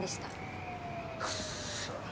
クッソ！